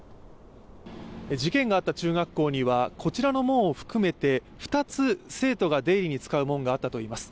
事件があった中学校にはこちらの門を含めて２つ、生徒が出入りに使う門があったといいます。